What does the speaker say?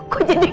kok jadi ngambek